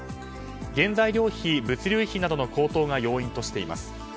原材料費、物流費などの高騰が要因としています。